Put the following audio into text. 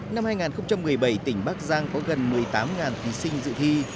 năm hai nghìn một mươi bảy tỉnh bắc giang có gần một mươi tám thí sinh dự thi